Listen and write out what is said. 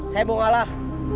saya mau ngalah